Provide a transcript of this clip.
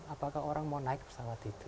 apakah orang mau naik pesawat itu